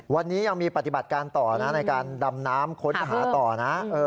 วันนี้ยังมีปฏิบัติการต่อนะในการดำน้ำค้นหาต่อนะ